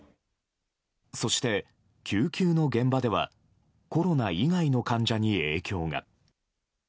そして救急の現場ではコロナ以外の患者に影響が。